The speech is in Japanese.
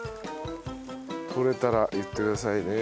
とれたら言ってくださいね。